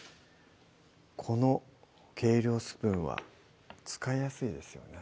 この計量スプーンは使いやすいですよね